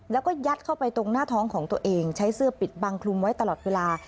แล้วก็ยัดเข้าไปตรงหน้าท้องของตัวเองใช้เสื้อปิดบังคลุมไว้ตลอดเวลา